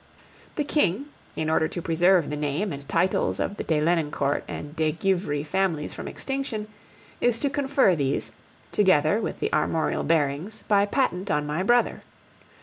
The King, in order to preserve the name and titles of the de Lenoncourt and de Givry families from extinction, is to confer these, together with the armorial bearings, by patent on my brother.